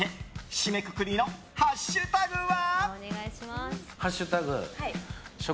締めくくりのハッシュタグは？